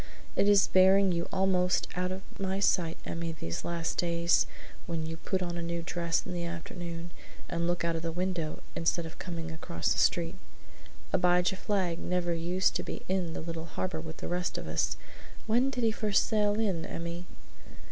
"It is bearing you almost out of my sight, Emmy, these last days, when you put on a new dress in the afternoon and look out of the window instead of coming across the street. Abijah Flagg never used to be in the little harbor with the rest of us; when did he first sail in, Emmy?"